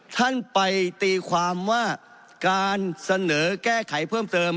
ท่านไปตีความว่าการเสนอแก้ไขเพิ่มเติม